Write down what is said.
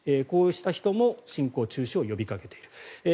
こうした人も侵攻中止を呼びかけている。